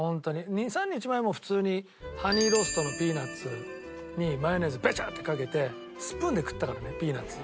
２３日前も普通にハニーローストのピーナッツにマヨネーズベチャッてかけてスプーンで食ったからねピーナッツ。